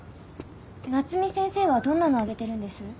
夏海先生はどんなものを上げてるんです？